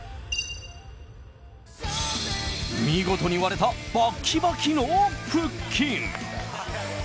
見事に割れたバッキバキの腹筋。